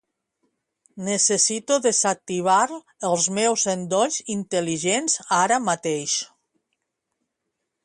Necessito desactivar els meus endolls intel·ligents ara mateix.